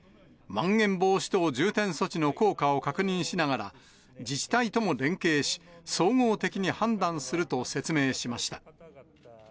まん延防止等重点措置の効果を確認しながら、自治体とも連携し、総合的に判断すると説明しました。